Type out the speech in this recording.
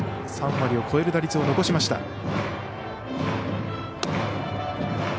３割を超える打率を残しました。